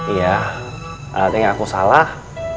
iya artinya aku salah